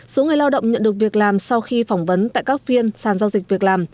số người lao động nhận được việc làm sau khi phỏng vấn tại các phiên sàn giao dịch việc làm